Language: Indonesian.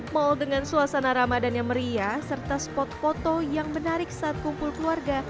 mall dengan suasana ramadannya meriah serta spot foto yang menarik saat kumpul keluarga